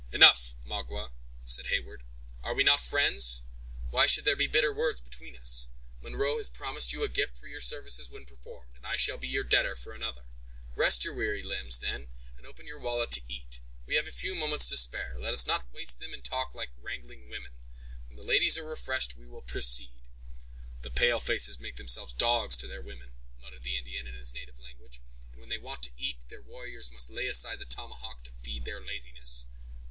"Enough, Magua," said Heyward; "are we not friends? Why should there be bitter words between us? Munro has promised you a gift for your services when performed, and I shall be your debtor for another. Rest your weary limbs, then, and open your wallet to eat. We have a few moments to spare; let us not waste them in talk like wrangling women. When the ladies are refreshed we will proceed." "The pale faces make themselves dogs to their women," muttered the Indian, in his native language, "and when they want to eat, their warriors must lay aside the tomahawk to feed their laziness."